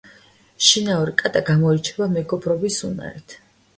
შინაურ კატა გამოირჩევა მეგობრობის უნარით.